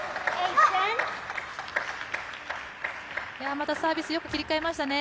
またサービスをよく切り替えましたね。